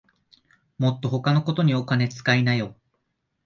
もっと他のことにお金つかいなよ